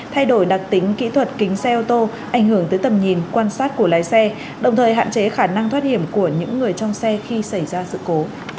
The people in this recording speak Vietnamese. thay đổi đặc tính kỹ thuật kính xe ô tô ảnh hưởng tới tầm nhìn quan sát của lái xe đồng thời hạn chế khả năng thoát hiểm của những người trong xe khi xảy ra sự cố